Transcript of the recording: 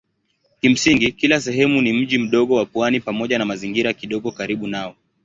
Kimsingi kila sehemu ni mji mdogo wa pwani pamoja na mazingira kidogo karibu nao.